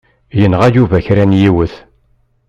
Yenɣa Yuba kra n yiwet.